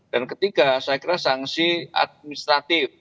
dan ketiga saya kira sangsi administratif